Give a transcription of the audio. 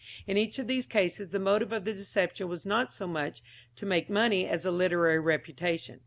In each of these cases the motive of the deception was not so much to make money as a literary reputation.